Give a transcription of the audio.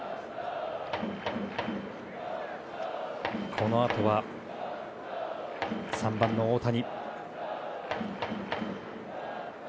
このあとは３番の大谷。